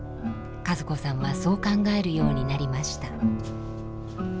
和子さんはそう考えるようになりました。